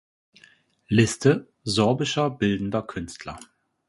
Liste sorbischer bildender Künstler